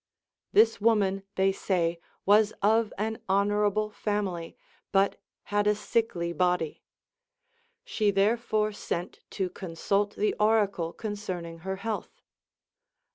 This woman they say was of an honora ble family, but had a sickly body ; she therefore sent to consult the oracle concerning her health.